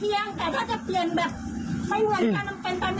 ให้ใกล้เคียงแต่ถ้าจะเปลี่ยนแบบไม่เหมือนกันเปลี่ยนตามไม่ได้